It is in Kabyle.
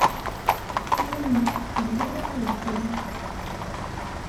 Ur awent-d-qelluɣ aserdin.